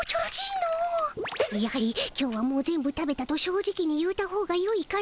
やはり「今日はもう全部食べた」と正直に言うたほうがよいかの？